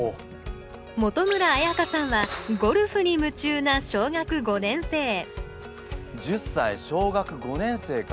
本村彩歌さんはゴルフに夢中な小学５年生１０歳小学５年生か。